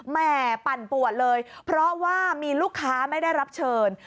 แม่ปั่นปวดเลยเพราะว่ามีลูกค้าไม่ได้รับเชิญ